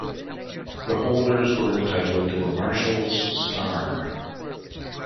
The holders were entitled to a marshal's star.